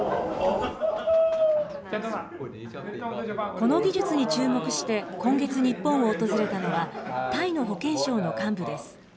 この技術に注目して、今月、日本を訪れたのは、タイの保健省の幹部です。